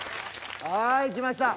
はい来ました。